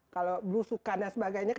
kalau blusukan dan sebagainya